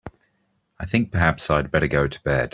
I think perhaps I'd better go to bed.